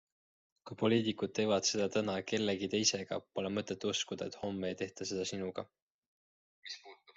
Kui poliitikud teevad seda täna kellegi teisega, pole mõtet uskuda, et homme ei tehta seda sinuga.